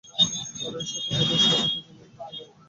আর এই সকল ব্যাপার সর্বদাই যেন একটা খেলার আবরণে জড়িত থাকিত।